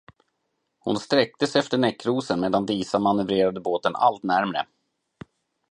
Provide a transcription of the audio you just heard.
Hon sträckte sig efter näckrosen medan Disa manövrerade båten allt närmre.